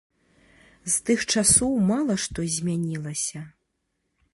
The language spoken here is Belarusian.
З тых часоў мала што змянілася.